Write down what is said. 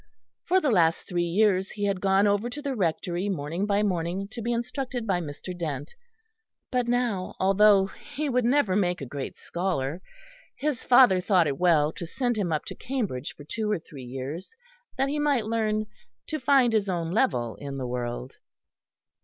For the last three years he had gone over to the Rectory morning by morning to be instructed by Mr. Dent; but now, although he would never make a great scholar, his father thought it well to send him up to Cambridge for two or three years, that he might learn to find his own level in the world.